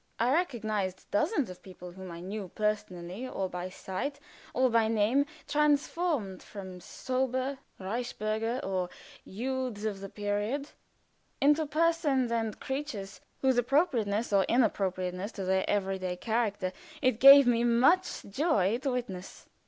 I recognized dozens of people whom I knew personally, or by sight, or name, transformed from sober Rhenish burger, or youths of the period, into persons and creatures whose appropriateness or inappropriateness to their every day character it gave me much joy to witness.